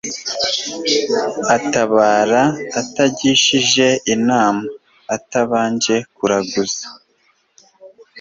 atabara atagishije inama, atabanje kuraguza